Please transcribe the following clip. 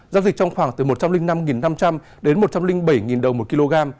giao dịch trong khoảng từ một trăm linh năm năm trăm linh đến một trăm linh bảy đồng một kg